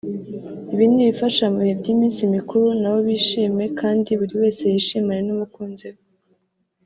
Ibi ni ibifasha mu bihe by’iminsi mikuru nabo bishime kandi buri wese yishimane n’umukunzi we